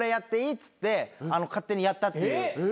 っつって勝手にやったっていう。